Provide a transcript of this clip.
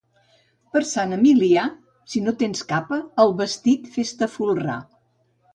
Per Sant Emilià, si no tens capa, el vestit fes-te folrar.